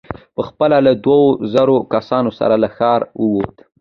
په خپله له دوو زرو کسانو سره له ښاره ووت.